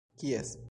kies